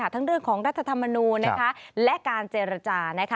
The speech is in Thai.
ทั้งเรื่องของรัฐธรรมนูลและการเจรจา